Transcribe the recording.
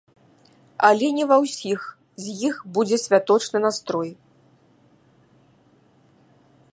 Але не ўва ўсіх з іх будзе святочны настрой.